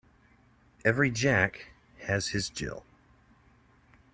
Every Jack has his Jill.